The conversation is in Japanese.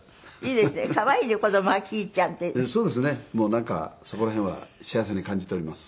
なんかそこら辺は幸せに感じております。